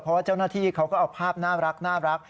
เพราะว่าเจ้าหน้าที่เขาก็เอาภาพน่ารัก